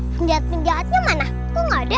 penjahat penjahatnya mana kok nggak ada